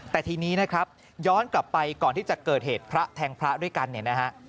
แต่ทีนี้นะครับย้อนกลับไปก่อนที่จะเกิดเหตุพระแทงพระด้วยกันเนี่ยนะฮะ